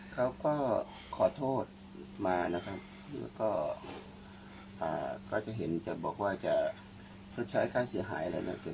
เขาก็ขอโทษมานะครับแล้วก็เขาจะเห็นจะบอกว่าจะชดใช้ค่าเสียหายอะไรแล้วเกิด